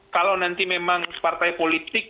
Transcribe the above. kalau nanti memang partai politik